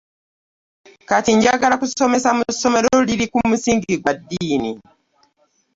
Kati njagala kusomesa mu ssomero liri ku musingi gwa ddiini.